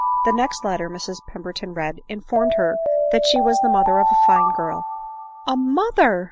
The next letter Mrs Pemberton read informed her that she was the mother, of a fine girl. " A mother